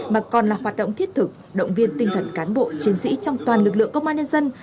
mà còn là hoạt động thiết thực động viên tinh thần cán bộ chiến sĩ trong toàn lực lượng công an nhân dân